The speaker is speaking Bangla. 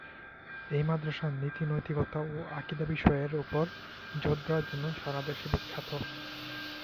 এই মাদ্রাসা নীতি-নৈতিকতা ও আকীদা বিষয়ের উপর জোর দেওয়ার জন্য সারা দেশে বিখ্যাত।